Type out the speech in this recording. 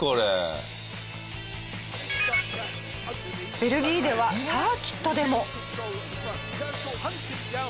ベルギーではサーキットでも。